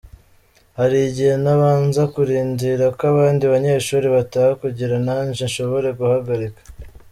Hari igihe nabanza kurindira ko abandi banyeshure bataha kugira nanje nshobore guhagarika”.